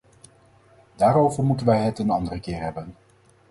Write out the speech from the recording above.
Daarover moeten wij het een andere keer hebben.